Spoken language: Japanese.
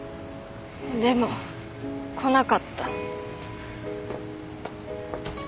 でも来なかった。